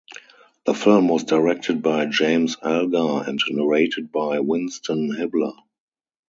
The film was directed by James Algar and narrated by Winston Hibler.